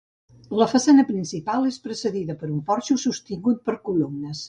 La façana principal és precedida per un porxo, sostingut per columnes.